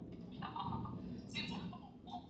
남대문 정거장까지 얼마요?